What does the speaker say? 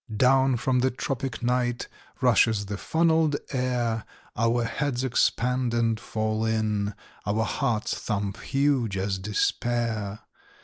"Down from the tropic night Rushes the funnelled air; Our heads expand and fall in; Our hearts thump huge as despair.